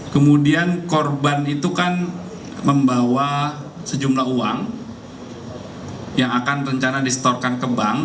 kemudian korban itu kan membawa sejumlah uang yang akan rencana distorkan ke bank